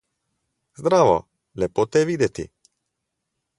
Zdravo! Lepo te je videti!